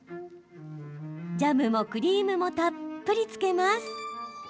ジャムもクリームもたっぷりつけます。